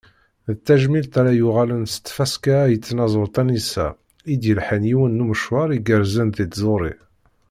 D tajmilt ara yuɣalen s tfaska-a i tnaẓurt Anisa i d-yelḥan yiwen n umecwar igerrzen di tẓuri.